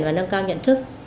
và nâng cao nhận thức